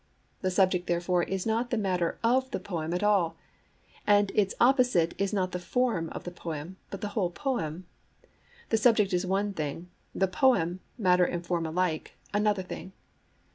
The subject, therefore, is not the matter of the poem at all; and its opposite is not the form of the poem, but the whole poem. The subject is one thing; the poem, matter and form alike, another thing.